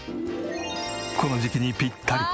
この時期にぴったり！